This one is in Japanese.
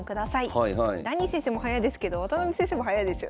ダニー先生も早いですけど渡辺先生も早いですよね。